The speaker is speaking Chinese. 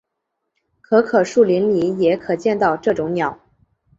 可可树林里也可见到这种鸟。